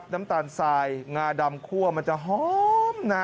น้ำตาลทรายงาดำคั่วมันจะหอมนะ